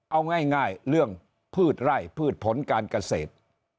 เอาง่ายเรื่องพืชไร่พืชผลการเกษตร